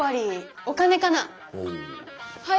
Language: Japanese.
はい！